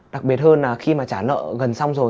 đặc biệt hơn là khi mà trả lợi gần xong rồi